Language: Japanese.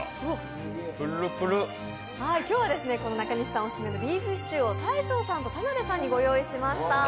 今日は中西さんオススメのビーフシチューを大昇さんと田辺さんにご用意しました。